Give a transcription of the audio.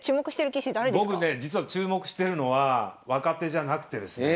僕ね実は注目してるのは若手じゃなくてですね。